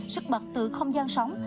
sức mật từ không gian sống